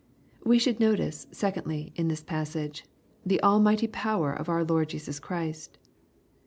We should notice, secondly, in this passage, the almighty power of our Lord Jesus Christ.